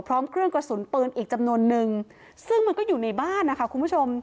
พร้อมเครื่องกระสุนปืนอีกจำนวนนึงซึ่งมันก็อยู่ในบ้านนะคะคุณผู้ชม